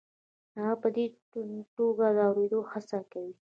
هغه په دې توګه د اورېدو هڅه کوي.